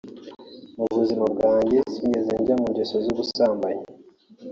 Mu buzima bwanjye sinigeze njya mu ngeso z’ubusambanyi